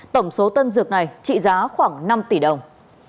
tổng số tân dược này trị giá khoảng năm tỷ đồng